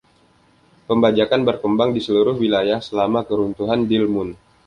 Pembajakan berkembang di seluruh wilayah selama keruntuhan Dilmun.